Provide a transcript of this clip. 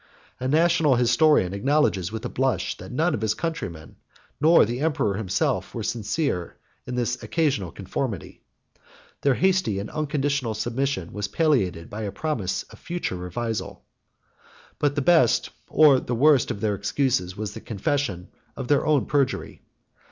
A national historian acknowledges with a blush, that none of his countrymen, not the emperor himself, were sincere in this occasional conformity. 33 Their hasty and unconditional submission was palliated by a promise of future revisal; but the best, or the worst, of their excuses was the confession of their own perjury.